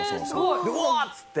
でうわあ！っつって。